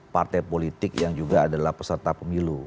partai politik yang juga adalah peserta pemilu